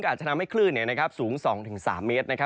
ก็อาจจะทำให้คลื่นเส้น๒๓เมซต์